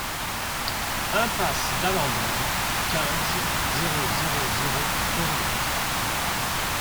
Impasse d'Alembert, quinze, zéro zéro zéro Aurillac